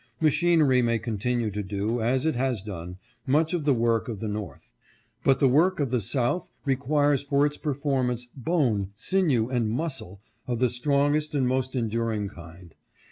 Machinery may continue to do, as it has done, much of the work of the North, but the work of the South requires for its performance bone, sinew and muscle of the strongest and most enduring kind.